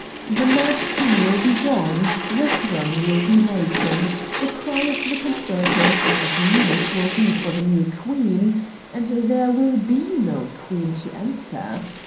The mad King will be gone, the throne will be vacant, the cry of the conspirators and of Munich will be for the new Queen, and there will be no Queen to answer.